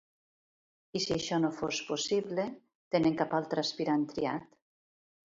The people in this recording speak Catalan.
I si això no fos possible, tenen cap altre aspirant triat?